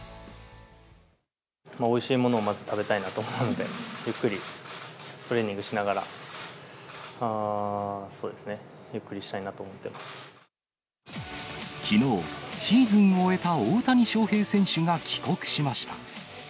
おいしいものをまず食べたいなと思うので、ゆっくり、トレーニングしながら、きのう、シーズンを終えた大谷翔平選手が帰国しました。